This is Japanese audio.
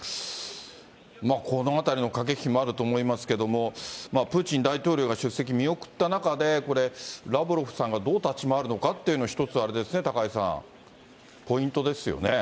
このあたりの駆け引きもあると思いますけども、プーチン大統領が出席見送った中で、これ、ラブロフさんがどう立ち回るのかっていうのが、一つあれですね、高井さん。ポイントですよね。